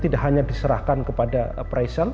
tidak hanya diserahkan kepada pre sal